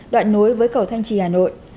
đoạn nối với cầu thanh trì hà nội